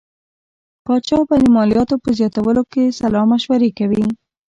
پاچا به د مالیاتو په زیاتولو کې سلا مشورې کوي.